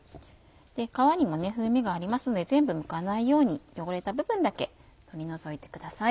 皮にも風味がありますので全部むかないように汚れた部分だけ取り除いてください。